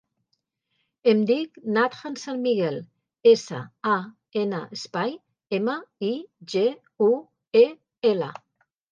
Em dic Nathan San Miguel: essa, a, ena, espai, ema, i, ge, u, e, ela.